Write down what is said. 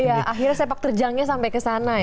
ya akhirnya sepak terjangnya sampai kesana ya